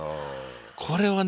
これはね